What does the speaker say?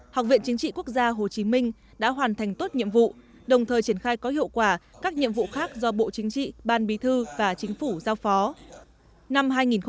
học viện chính trị quốc gia hồ chí minh đã hoàn thành tốt nhiệm vụ đồng thời triển khai có hiệu quả các nhiệm vụ khác do bộ chính trị ban bí thư và chính phủ giao phó